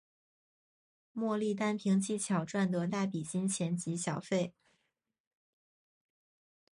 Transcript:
莫莉单凭技巧赚得大笔金钱及小费。